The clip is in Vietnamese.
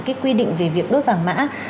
cái quy định về việc đốt vàng mã